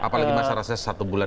apalagi masa rasanya satu bulan